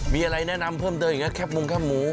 มีอะไรแนะนำเพิ่มเติมอย่างนี้แคบมุงแคบหมู